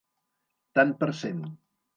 Tant per cent.